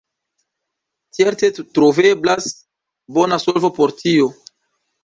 Certe troveblas bona solvo por tio.